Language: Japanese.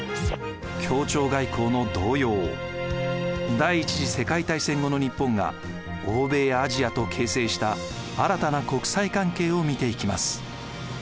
第一次世界大戦後の日本が欧米やアジアと形成した新たな国際関係を見ていきます。